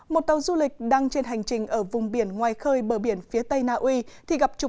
một tàu du lịch đang trên hành trình ở vùng biển ngoài khơi bờ biển phía tây naui